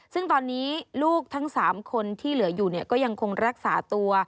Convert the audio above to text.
ซึ่งตอนนี้ลูกทั้ง๓คนที่เหลืออยู่ก็ยังคงรักษาตัว